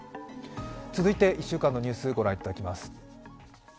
続いて１週間のニュースを御覧いただきます。